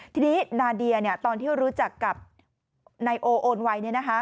ทีนี้นาเดียตอนที่รู้จักกับนายโอโอนไว